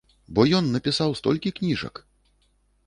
Бо ён напісаў столькі кніжак!